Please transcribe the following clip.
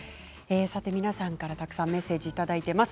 皆さんからたくさんメッセージいただいています。